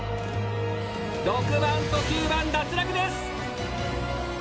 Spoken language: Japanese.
６番と９番脱落です！